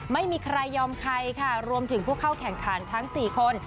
ไม่มีใครยอมใครค่ะรวมถึงผู้เข้าแข่งขันทั้ง๔คน